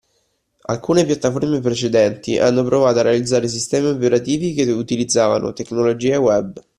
Alcune piattaforme precedenti hanno provato a realizzare sistemi operativi che utilizzavano tecnologie web